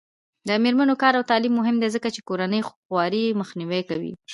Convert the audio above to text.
د میرمنو کار او تعلیم مهم دی ځکه چې کورنۍ خوارۍ مخنیوی دی.